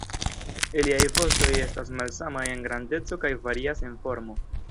Iliaj vostoj estas malsamaj en grandeco kaj varias en formo.